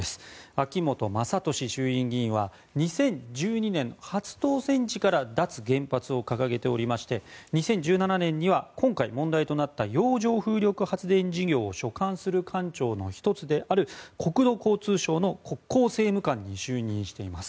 秋本真利衆院議員は２０１２年、初当選時から脱原発を掲げておりまして２０１７年には今回、問題となった洋上風力発電事業を所管する官庁の１つである国土交通省の国交政務官に就任しています。